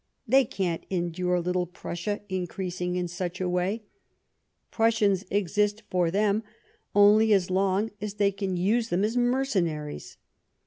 They can't endure little Prussia increasing in such a way ; Prussians exist for them only as long as thty can 221 Bismarck use them as mercenaries.